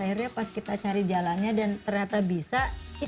akhirnya pas kita cari jalannya dan ternyata bisa